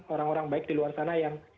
orang orang baik di luar sana yang